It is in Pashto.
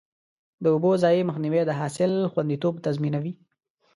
د اوبو ضایع مخنیوی د حاصل خوندیتوب تضمینوي.